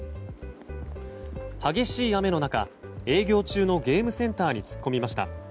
激しい雨の中営業中のゲームセンターに突っ込みました。